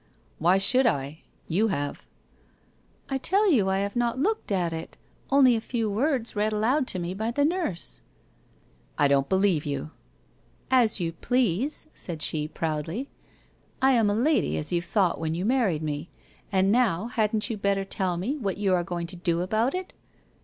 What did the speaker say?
'Why should I? You have.' 4 1 tell you 1 have not looked at it. Only a few words read aloud to me by the nurse.' 220 WHITE ROSE OF WEARY LEAF ' I don't believe you/ ' As you please,' said she proudly. ' 1 am a lady, as you thought when you married me. And now hadn't you better tell me what you are going to do about it?